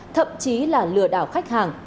thậm chí là lừa đảo khách hàng